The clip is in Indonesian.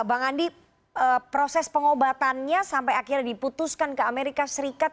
bang andi proses pengobatannya sampai akhirnya diputuskan ke amerika serikat